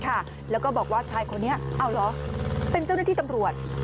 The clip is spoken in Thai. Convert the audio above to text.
ของบ้านถ่ายไว้ค่ะแล้วก็บอกว่าชายคนนี้เป็นเจ้าหน้าที่ตำรวจ